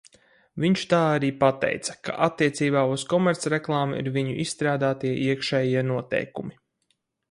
Viņš tā arī pateica, ka attiecībā uz komercreklāmu ir viņu izstrādātie iekšējie noteikumi.